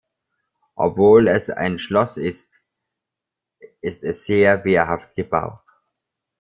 Obwohl es ein Schloss ist, ist es sehr wehrhaft gebaut.